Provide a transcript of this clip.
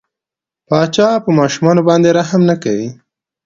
پاچا په ماشومان باندې هم رحم نه کوي.